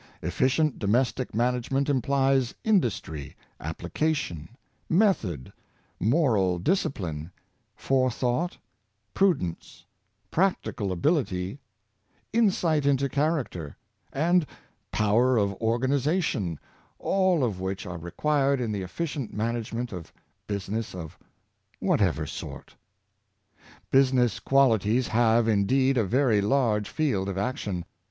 Efficient domestic management implies industry, application, method, mor al discipline, forethought, prudence, practical ability, Trainings to Business, 159 <=> insight into character, and power of organization, all of which are required in the efficient management of busi ness of whatever sort. Business qualities have, indeed, a very large field of action.